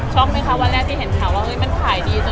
ชอบไหมคะวันแรกที่เห็นขังว่ามันขายได้ไหม